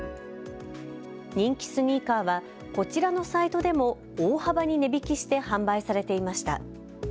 人気スニーカーはこちらのサイトでも大幅に値引きして販売されていました。